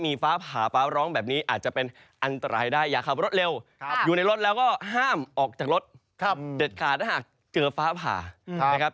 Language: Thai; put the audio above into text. มีฟ้าผ่าฟ้าร้องแบบนี้อาจจะเป็นอันตรายได้อย่าขับรถเร็วอยู่ในรถแล้วก็ห้ามออกจากรถเด็ดขาดถ้าหากเจอฟ้าผ่านะครับ